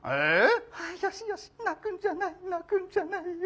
「よしよし泣くんじゃない泣くんじゃないよ」。